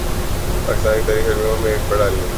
پاکستانی تاریخ کے المیوں میں یہ ایک بڑا المیہ ہے۔